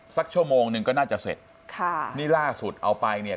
สักชั่วโมงหนึ่งก็น่าจะเสร็จค่ะนี่ล่าสุดเอาไปเนี่ย